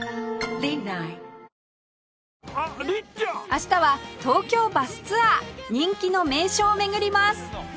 明日は東京バスツアー人気の名所を巡ります